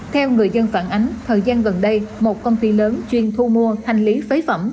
theo người dân phản ánh thời gian gần đây một công ty lớn chuyên thu mua hành lý phế phẩm